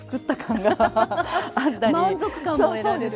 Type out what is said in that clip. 満足感も得られる。